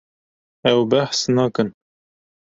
Ew behs nakin.